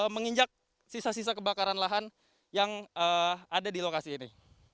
menginjak sisa sisa kebakaran lahan yang ada di lokasi ini